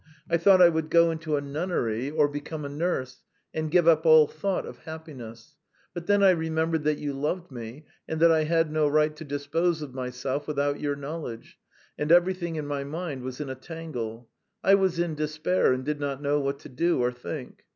I thought I would go into a nunnery or become a nurse, and give up all thought of happiness, but then I remembered that you loved me, and that I had no right to dispose of myself without your knowledge; and everything in my mind was in a tangle I was in despair and did not know what to do or think.